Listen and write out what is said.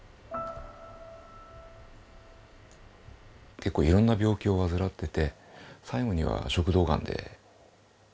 結構いろんな病気を患ってて最後には食道がんではい。